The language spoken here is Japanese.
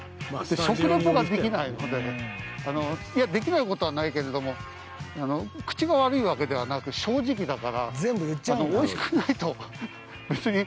食レポができないので、いやできないことはないけれども口が悪いわけではなく正直だからおいしくないと、別に。